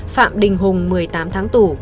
phạm đình hùng một mươi tám tháng tù